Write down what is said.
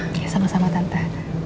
oke sama sama tante